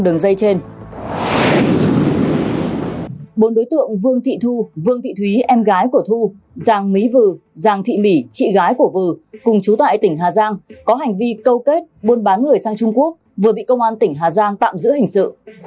đối tượng vương thị thu vương thị thúy em gái của thu giàng mỹ vừ giàng thị mỹ chị gái của vừ cùng chú tại tỉnh hà giang có hành vi câu kết buôn bán người sang trung quốc vừa bị công an tỉnh hà giang tạm giữ hình sự